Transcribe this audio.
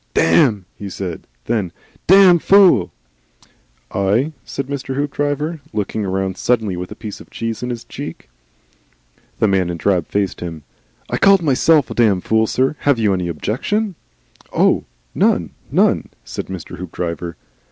"Damn!" said he. Then, "Damned Fool!" "Eigh?" said Mr. Hoopdriver, looking round suddenly with a piece of cheese in his cheek. The man in drab faced him. "I called myself a Damned Fool, sir. Have you any objections?" "Oh! None. None," said Mr. Hoopdriver.